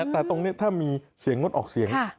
แต่ตรงนี้ถ้ามีเสียงงดออกเสียง